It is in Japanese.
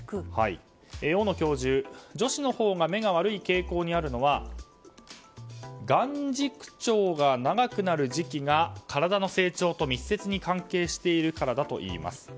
大野教授、女子のほうが目が悪い傾向にあるのは眼軸長が長くなる時期が体の成長と密接に関係しているからだといいます。